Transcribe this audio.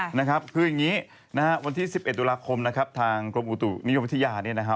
นะครับคืออย่างนี้นะฮะวันที่๑๑ตุลาคมนะครับทางกรมอุตุนิยมวิทยาเนี่ยนะฮะ